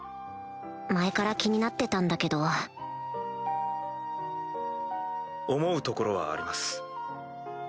前から気になってたんだけど思うところはあります